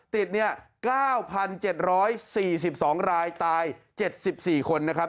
ติด๙๗๔๒รายตาย๗๔คนนะครับ